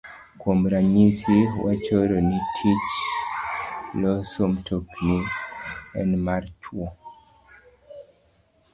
Kuom ranyisi, wachoro ni tich loso mtokni en mar chwo.